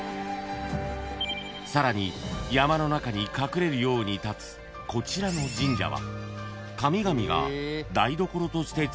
［さらに山の中に隠れるように立つこちらの神社は］